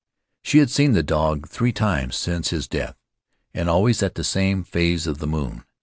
She had seen the dog three times since his death, and always at the same phase of the moon.